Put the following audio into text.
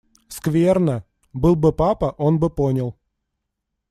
Скверно! Был бы папа, он бы понял.